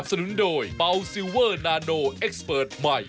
อะไรกลับมา